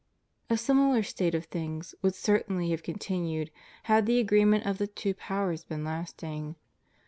A similar state of things would certainly have con tinued had the agreement of the two powers been lasting.